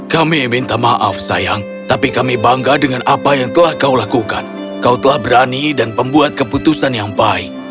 kami minta maaf sayang tapi kami bangga dengan apa yang telah kau lakukan kau telah berani dan membuat keputusan yang baik